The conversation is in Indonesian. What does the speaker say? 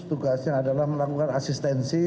tugasnya adalah melakukan asistensi